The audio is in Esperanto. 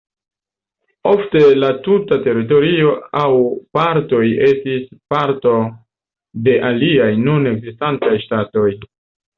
Ofte la tuta teritorio aŭ partoj estis parto de aliaj nun ekzistantaj ŝtatoj.